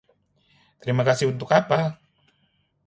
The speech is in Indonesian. Terima kasih untuk apa?